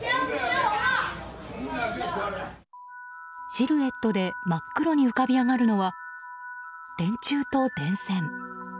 シルエットで真っ黒に浮かび上がるのは電柱と電線。